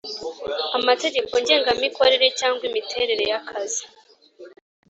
amategeko ngengamikorere cyangwa imiterere y akazi